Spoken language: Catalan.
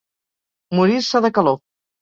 Morir-se de calor.